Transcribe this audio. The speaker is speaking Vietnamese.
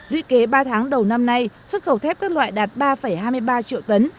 luyện kế ba tháng đầu năm nay xuất khẩu thép các loại đạt ba hai mươi ba triệu tấn